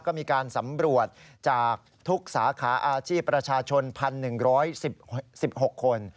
ก็มีการสำรวจจากทุกสาขาอาชีพประชาชน๑๑๑๖คน